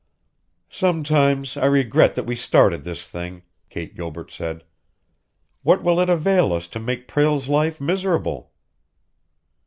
"Sometimes I regret that we started this thing," Kate Gilbert said. "What will it avail us to make Prale's life miserable?"